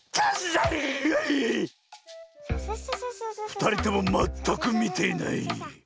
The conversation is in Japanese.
ふたりともまったくみていない。